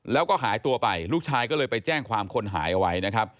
แล้วก็หายตัวไปลูกชายก็เลยไปแจ้งความคนหายเอาไว้นะครับ